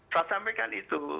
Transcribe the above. saya sampaikan itu